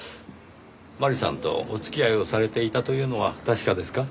麻里さんとお付き合いをされていたというのは確かですか？